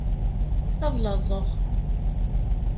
Ad llaẓeɣ.